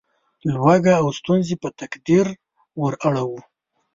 لوږه او ستونزې په تقدیر وراړوو.